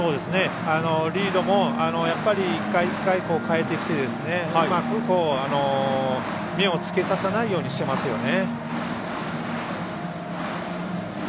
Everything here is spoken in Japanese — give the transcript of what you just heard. リードも１回１回変えてきて、うまく目をつけさせないようにしてますよね。